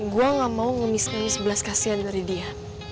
gue nggak mau ngemis ngemis belas kasihan dari dia